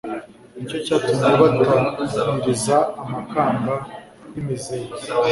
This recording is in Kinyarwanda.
ni cyo cyatumye batamiriza amakamba y'imizeti